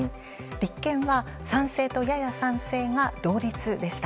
立憲は賛成とやや賛成が同率でした。